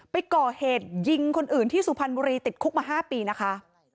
ไปก่อเหตุยิงคนอื่นที่สุพรรณบุรีติดคุกมา๕ปีนะคะ